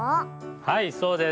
はいそうです。